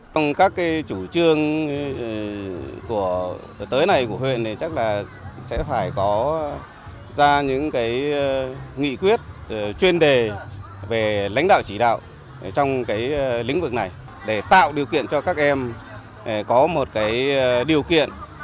trong các chủ trương tới này của huyện chắc là sẽ phải có ra những nghị quyết chuyên đề về lãnh đạo chỉ đạo trong lĩnh vực này để tạo điều kiện cho các em có một điều kiện